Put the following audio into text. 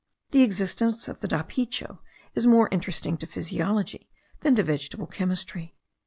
The existence of the dapicho is more interesting to physiology than to vegetable chemistry.